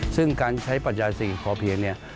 ซึ่งการใช้ปัญญาสิ่งพอเพียงเนี่ย